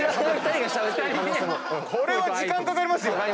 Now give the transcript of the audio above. これは時間かかりますよ。